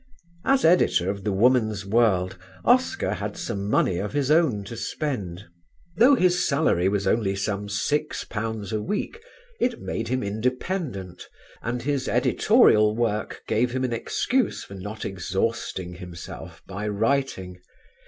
As editor of The Woman's World Oscar had some money of his own to spend. Though his salary was only some six pounds a week, it made him independent, and his editorial work gave him an excuse for not exhausting himself by writing.